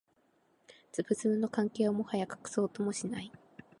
ズブズブの関係をもはや隠そうともしない